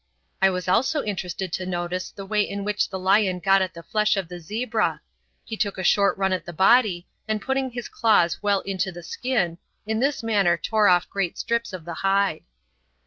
I was also interested to notice the way in which the lion got at the flesh of the zebra; he took a short run at the body, and putting his claws well into the skin, in this manner tore off great strips of the hide.